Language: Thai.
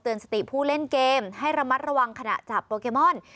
สติผู้เล่นเกมให้ระมัดระวังขณะจับโปเกมอน